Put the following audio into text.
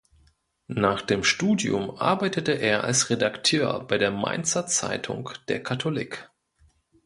Nach dem Studium arbeitete er als Redakteur bei der Mainzer Zeitung Der Katholik.